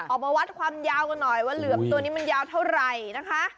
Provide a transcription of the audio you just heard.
ออกมาวัดความยาวกันหน่อยว่าเหลือมตัวนี้มันยาวเท่าไหร่นะคะ